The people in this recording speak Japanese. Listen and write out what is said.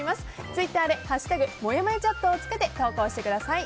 ツイッターで「＃もやもやチャット」をつけて投稿してください。